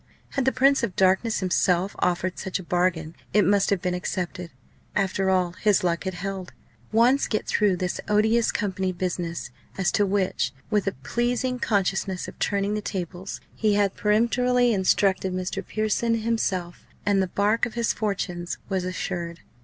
Had the Prince of Darkness himself offered such a bargain it must have been accepted. After all his luck had held! Once get through this odious company business as to which, with a pleasing consciousness of turning the tables, he had peremptorily instructed Mr. Pearson himself and the barque of his fortunes was assured.